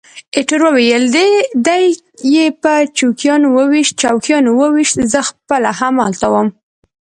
ایټور وویل: دی یې په چوکیانو وویشت، زه خپله همالته وم.